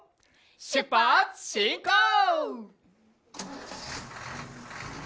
しゅっぱつしんこう！